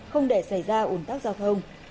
không để xảy ra ủn tắc giao thông